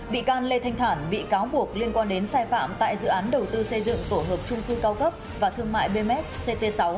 bị can lê thanh thản bị cáo buộc liên quan đến sai phạm tại dự án đầu tư xây dựng tổ hợp trung cư cao cấp và thương mại bms ct sáu